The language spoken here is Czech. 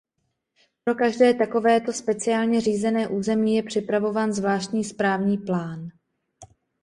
Pro každé takovéto speciálně řízené území je připravován zvláštní správní plán.